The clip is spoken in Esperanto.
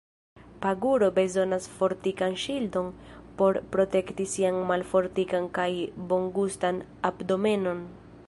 Paguro bezonas fortikan ŝildon por protekti sian malfortikan kaj bongustan abdomenon.